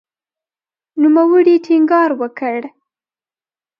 نوموړي ټینګار وکړ